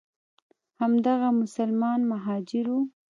همدغه مسلمان مهاجر وو.